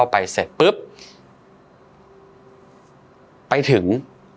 ไปถึง